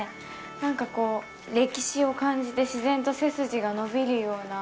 なんかこう、歴史を感じて、自然と背筋が伸びるような。